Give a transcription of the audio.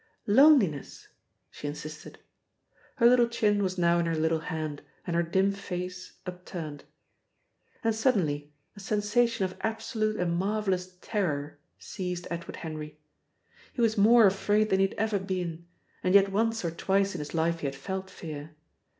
"Loneliness," she insisted. Her little chin was now in her little hand, and her dim face upturned. And suddenly a sensation of absolute and marvellous terror seized Edward Henry. He was more afraid than he had ever been and yet once or twice in his life he had felt fear.